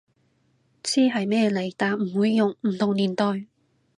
知係咩嚟但唔會用，唔同年代